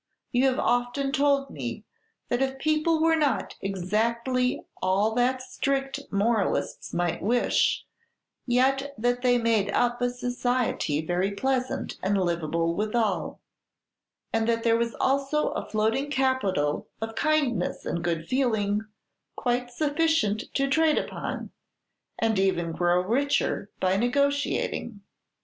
You have often told me that if people were not exactly all that strict moralists might wish, yet that they made up a society very pleasant and livable withal, and that there was also a floating capital of kindness and good feeling quite sufficient to trade upon, and even grow richer by negotiating!